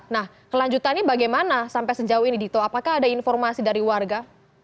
nah kelanjutannya bagaimana sampai sejauh ini dito apakah ada informasi dari warga